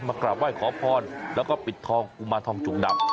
กราบไหว้ขอพรแล้วก็ปิดทองกุมารทองจุกดำ